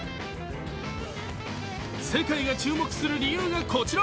世界が注目する理由がこちら。